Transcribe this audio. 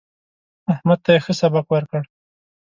احمد ته يې ښه سبق ورکړ.